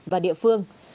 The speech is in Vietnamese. và địa phương